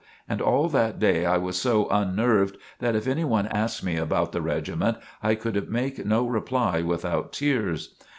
And all that day I was so unnerved that if any one asked me about the regiment, I could make no reply without tears.